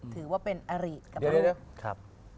ถือว่าเป็นอลิกับแม่